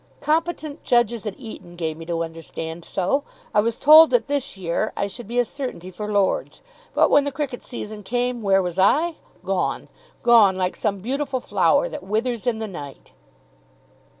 "Competent judges at Eton gave me to understand so. I was told that this year I should be a certainty for Lord's. But when the cricket season came, where was I? Gone. Gone like some beautiful flower that withers in the night."